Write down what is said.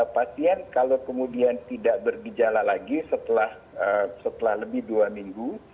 pasien kalau kemudian tidak bergejala lagi setelah lebih dua minggu